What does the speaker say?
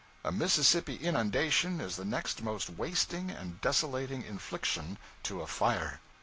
A Mississippi inundation is the next most wasting and desolating infliction to a fire.